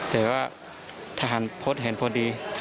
แต่ว่าทหารโพสต์เห็นพอดี